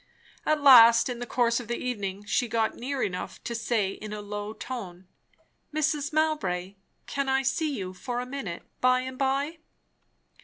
At last in the course of the evening she got near enough to say in a low tone, "Mrs. Mowbray, can I see you for a minute by and by?"